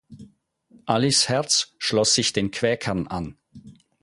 Alice Herz schloss sich den Quäkern an.